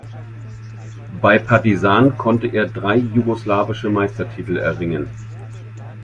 Bei Partizan konnte er drei jugoslawische Meistertitel erringen.